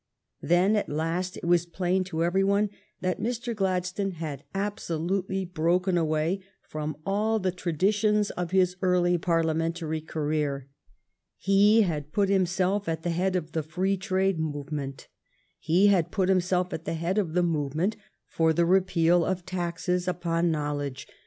Then at last it was plain to every one that Mr. Gladstone had absolutely broken away from all the traditions of his early Parliamentary career. He had put himself at the head of the free trade move ment. He had put himself at the head of the movement for the repeal of taxes upon knowledge.